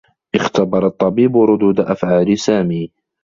اختبر الطّبيب ردود أفعال سامي.